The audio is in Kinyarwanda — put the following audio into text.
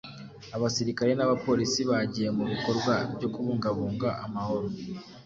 Abasirikari n’abaporisi bagiye mu bikorwa byo kubungabunga amahoro